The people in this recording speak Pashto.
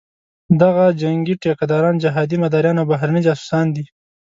دغه جنګي ټیکه داران، جهادي مداریان او بهرني جاسوسان دي.